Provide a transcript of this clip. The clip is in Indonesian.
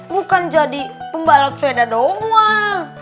bukan jadi pembalap sepeda doang